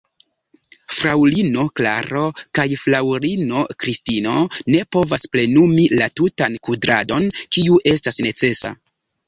Fraŭlino Klaro kaj fraŭlino Kristino ne povas plenumi la tutan kudradon, kiu estas necesa.